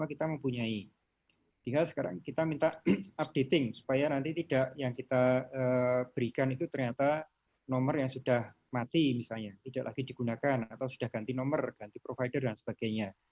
itu update data